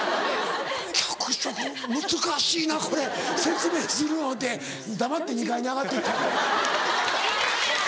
「脚色難しいなこれ説明するの」って黙って２階に上がっていった。